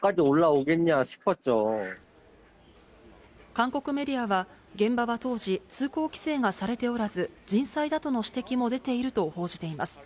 韓国メディアは、現場は当時、通行規制がされておらず、人災だとの指摘も出ていると報じています。